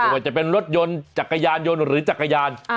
ว่าจะเป็นรถยนต์จักรยานยนต์หรือจักรยาน